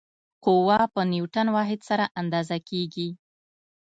قوه په نیوټن واحد سره اندازه کېږي.